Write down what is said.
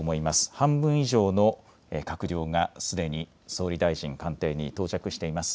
半分以上の閣僚がすでに総理大臣官邸に到着しています。